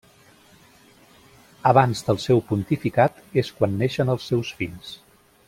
Abans del seu pontificat és quan neixen els seus fills: